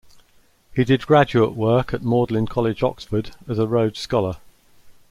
He did graduate work at Magdalen College, Oxford, as a Rhodes Scholar.